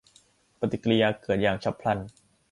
ปฏิกริยาเกิดอย่างฉับพลัน